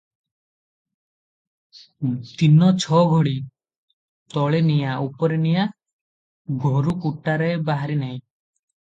ଦିନ ଛ ଘଡ଼ି, ତଳେ ନିଆଁ, ଉପରେ ନିଆଁ, ଘରୁ କୁଟାକେରାଏ ବାହାରି ନାହିଁ ।